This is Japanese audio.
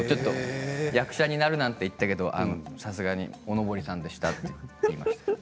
役者になるなんて言ったけどさすがにお上りさんでしたって言いました。